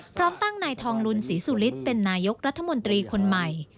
พร้อมตั้งนายทองลุนศรีสุฤทธิ์เป็นนายกรัฐมนตรีคนใหม่